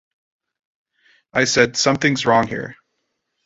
I said, 'Something's wrong here'.